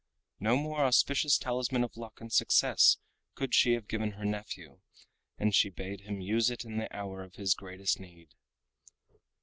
No more auspicious talisman of luck and success could she have given her nephew, and she bade him use it in the hour of his greatest need.